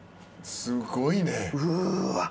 すごいね。